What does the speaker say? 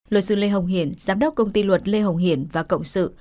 luật sư lê hồng hiền giám đốc công ty luật lê hồng hiển và cộng sự